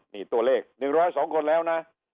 นี่ตัวเลข๑๐๒คนแล้วนะ